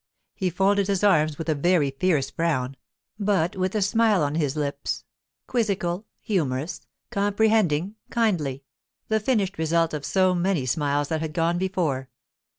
He folded his arms with a very fierce frown, but with a smile on his lips, quizzical, humorous, comprehending, kindly—the finished result of so many smiles that had gone before.